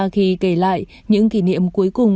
khi kể lại những kỷ niệm cuối cùng